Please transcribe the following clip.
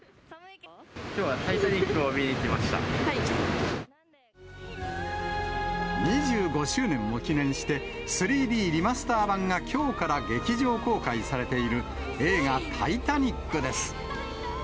きょうはタイタニックを見に２５周年を記念して、３Ｄリマスター版がきょうから劇場公開されている映画、タイタニックです。